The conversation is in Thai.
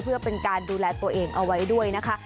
เพื่อเป็นการดูแลตัวเองเอาไว้ด้วยนะคะ